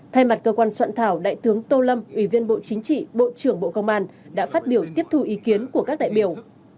thay mặt cơ quan soạn thảo đại tướng tô lâm ủy viên bộ chính trị bộ trưởng bộ công an đã phát biểu tiếp thu ý kiến của các đại biểu